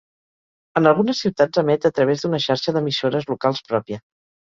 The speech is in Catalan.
En algunes ciutats emet a través d'una xarxa d'emissores locals pròpia.